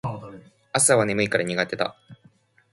朝は眠いから苦手だ